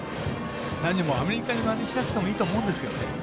何も、アメリカになんでもしなくてもいいと思うんですよね。